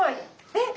えっ？